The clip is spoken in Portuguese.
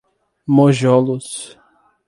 Monjolos